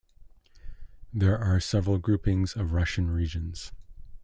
There are several groupings of Russian regions.